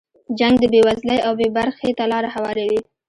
جنګ د بې وزلۍ او بې برخې ته لاره هواروي.